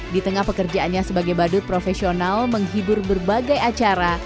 di tengah pekerjaannya sebagai badut profesional menghibur berbagai acara